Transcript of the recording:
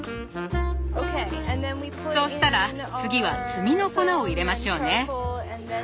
そうしたら次は炭の粉を入れましょうね。